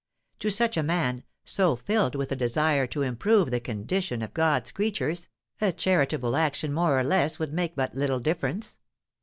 To such a man, so filled with a desire to improve the condition of God's creatures, a charitable action more or less would make but little difference.